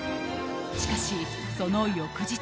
しかし、その翌日。